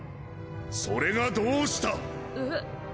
それがどうした！え？